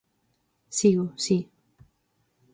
–Sigo, si.